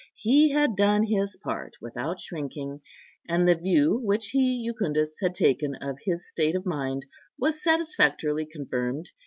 He had done his part without shrinking, and the view which he, Jucundus, had taken of his state of mind, was satisfactorily confirmed.